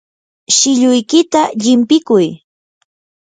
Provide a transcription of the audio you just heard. shilluykita llimpikuy.